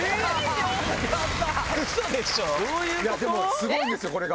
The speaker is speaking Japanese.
すごいんですよこれが。